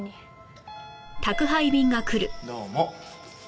どうも。